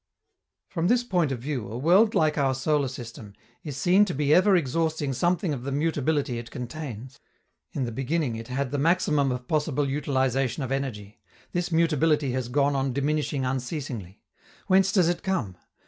From this point of view, a world like our solar system is seen to be ever exhausting something of the mutability it contains. In the beginning, it had the maximum of possible utilization of energy: this mutability has gone on diminishing unceasingly. Whence does it come?